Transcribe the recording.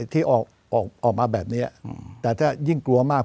ที่ออกมาแบบนี้แต่ถ้ายิ่งกลัวมาก